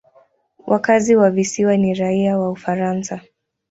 Wakazi wa visiwa ni raia wa Ufaransa.